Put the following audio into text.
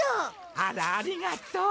あらありがとう。